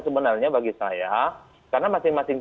sebenarnya bagi saya karena masing masing